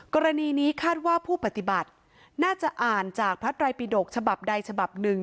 กรณีนี้คาดว่าผู้ปฏิบัติน่าจะอ่านจากพระไตรปิดกฉบับใดฉบับหนึ่ง